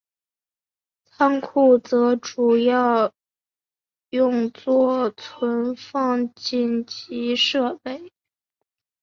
仓库则主要用作存放紧急设备。